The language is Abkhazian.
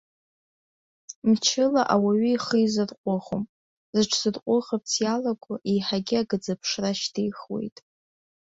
Мчыла ауаҩы ихы изырҟәыӷом, зыҽзырҟәыӷарц иалаго еиҳагьы агаӡаԥшра шьҭихуеит.